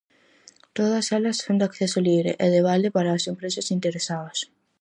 Todas elas son de acceso libre e de balde para as empresas interesadas.